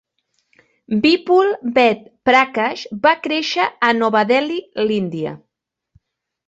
Vipul Ved Prakash va créixer a Nova Delhi, l'Índia.